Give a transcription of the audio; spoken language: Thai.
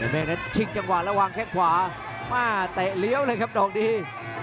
แม่นั้นชิงจังหวะแล้ววางแข้งขวามาเตะเลี้ยวเลยครับดอกดี